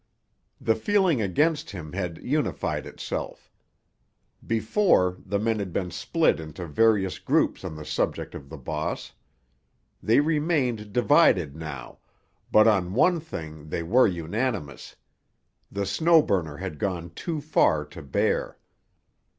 The feeling against him had unified itself. Before, the men had been split into various groups on the subject of the boss. They remained divided now, but on one thing they were unanimous: the Snow Burner had gone too far to bear.